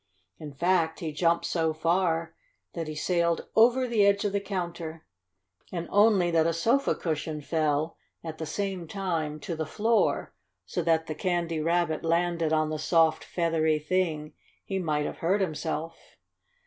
In fact, he jumped so far that he sailed over the edge of the counter. And only that a sofa cushion fell, at the same time, to the floor, so that the Candy Rabbit landed on the soft, feathery thing, he might have hurt himself.